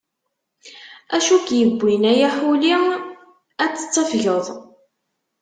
Acu k-iwwin a yaḥuli ad tettafgeḍ!